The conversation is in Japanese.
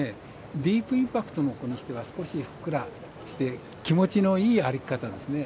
ディープインパクトの子にしては少しふっくらして気持ちのいい歩き方ですね。